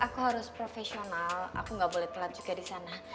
aku harus profesional aku gak boleh telat juga disana